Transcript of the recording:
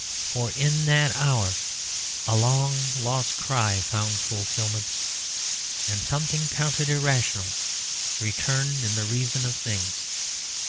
For in that hour a long lost cry found fulfilment, and something counted irrational returned in the reason of things.